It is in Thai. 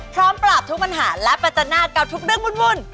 พร้อมปราบทุกปัญหาและปัจจนากับทุกเรื่องวุ่น